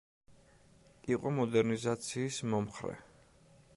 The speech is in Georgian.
იყო მოდერნიზაციის მომხრე.